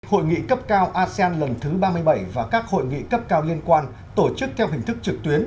hội nghị cấp cao asean lần thứ ba mươi bảy và các hội nghị cấp cao liên quan tổ chức theo hình thức trực tuyến